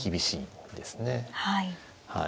はい。